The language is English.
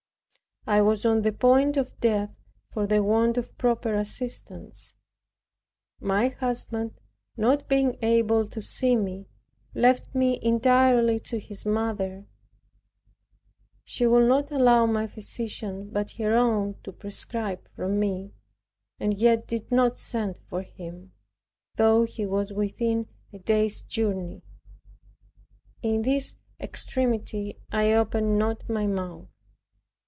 I was on the point of death for the want of proper assistance. My husband, not being able to see me, left me entirely to his mother. She would not allow any physician but her own to prescribe for me, and yet did not send for him, though he was within a day's journey. In this extremity I opened not my mouth.